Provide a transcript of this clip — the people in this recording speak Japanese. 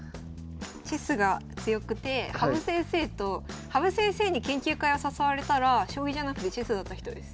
チェスが強くて羽生先生に研究会を誘われたら将棋じゃなくてチェスだった人です。